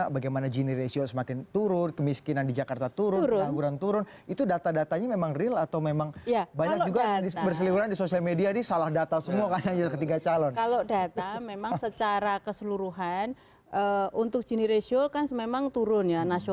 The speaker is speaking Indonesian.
bagus karena tidak hanya substansi